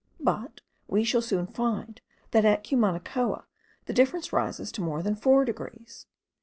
But we shall soon find that at Cumanacoa the difference rises to more than four degrees.